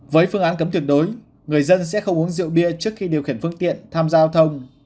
với phương án cấm tuyệt đối người dân sẽ không uống rượu bia trước khi điều khiển phương tiện tham gia giao thông